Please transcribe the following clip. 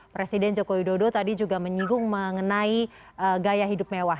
presiden joko widodo tadi juga menyinggung mengenai gaya hidup mewah